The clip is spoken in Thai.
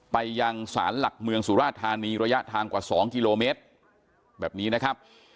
ไปยังศาลหลักเมืองสุราธานีระยะทางกว่า๒กิโลเมตรแบบนี้นะครับ